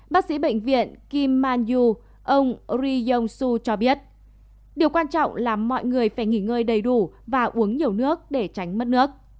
bác sĩ bệnh viện kim man yu ông oring su cho biết điều quan trọng là mọi người phải nghỉ ngơi đầy đủ và uống nhiều nước để tránh mất nước